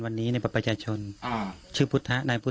เราไม่ได้เรียนแบบ